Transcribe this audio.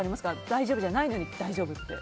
大丈夫じゃないのに大丈夫って。